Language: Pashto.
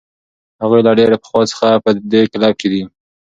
هغوی له ډېر پخوا څخه په دې کلب کې دي.